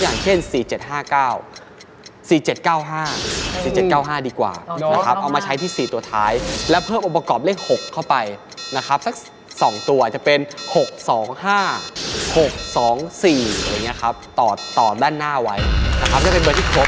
อย่างเช่น๔๗๕๙๔๗๙๕๔๗๙๕ดีกว่านะครับเอามาใช้ที่๔ตัวท้ายแล้วเพิ่มองค์ประกอบเลข๖เข้าไปนะครับสัก๒ตัวจะเป็น๖๒๕๖๒๔อย่างนี้ครับต่อด้านหน้าไว้นะครับจะเป็นเบอร์ที่๖